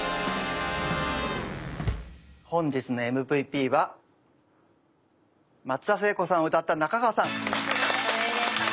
本日のＭＶＰは松田聖子さんを歌った仲川さん。